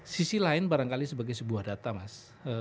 sisi lain barangkali sebagai sebuah data mas